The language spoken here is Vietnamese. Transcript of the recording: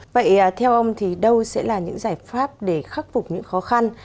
vậy theo ông thì đâu sẽ là những giải pháp để khắc phục những khó khăn